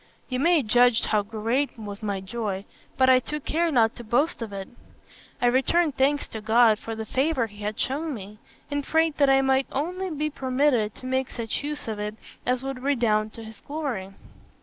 You may judge how great was my joy, but I took care not to boast of it. I returned thanks to God for the favour he had shewn me, and prayed that I might only be permitted to make such use of it as would redound to his glory.